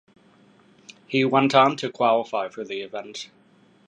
He went on to qualify for the event.